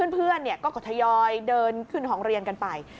เพื่อนก็ทยอยเดินขึ้นของเรียนกันไป